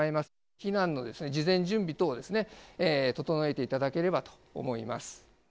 避難の事前準備等を整えていただければと思います。